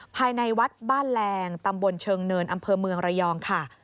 ภายในวัดบ้านแรงตำบลเชิงเนินอำเภอเมืองระยองค่ะ